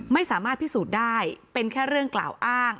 ไม่สามารถพิสูจน์ได้เป็นแค่เรื่องกล่าวอ้าง